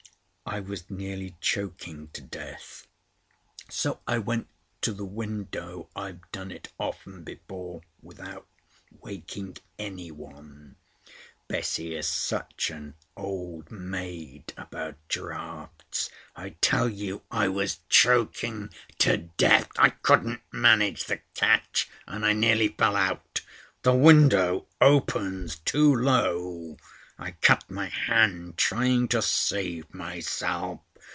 I was nearly choking to death. So I went to the window I've done it often before, without waking any one. Bessie's such an old maid about draughts. I tell you I was choking to death. I couldn't manage the catch, and I nearly fell out. That window opens too low. I cut my hand trying to save myself.